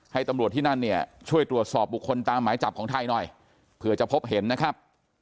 ให้ตำรวจที่นั่นเนี่ยช่วยตรวจสอบบุคคลตามหมายจับของไทยหน่อยเผื่อจะพบเห็นนะครับ